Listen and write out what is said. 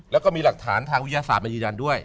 แล้วก็มีหลักฐานทางวิทยาศาสตร์มายืนยันด้วย